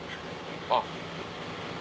あっ。